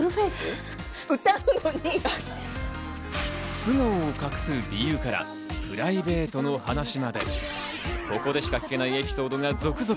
素顔を隠す理由から、プライベートな話まで、ここでしか聞けないエピソードが続々。